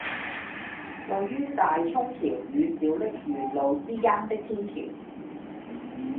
位於大涌橋與小瀝源路之間的天橋